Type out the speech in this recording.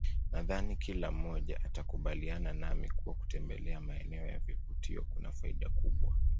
Nadhani kila mmoja atakubaliana nami kuwa kutembelea maeneo ya vivutio kuna faida kubwa